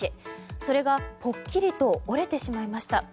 それがぽっきりと折れてしまいました。